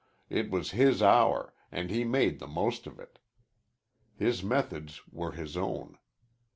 It was his hour, and he made the most of it. His methods were his own.